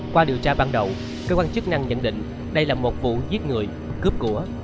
qua điều tra ban đầu cơ quan chức năng nhận định đây là một vụ giết người cướp của